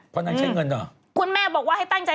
เพราะมันเช่นเงินเหรอ